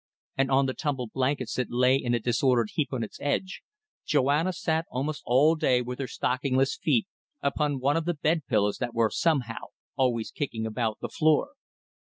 And on the tumbled blankets that lay in a disordered heap on its edge, Joanna sat almost all day with her stockingless feet upon one of the bed pillows that were somehow always kicking about the floor.